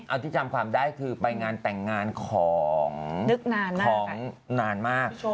เอาที่จำความได้คือไปงานแต่งงานของนานมาก